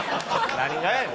何がやねん。